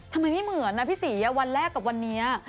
ทำไมไม่เหมือนนะพี่ศรีวันแรกกับวันนี้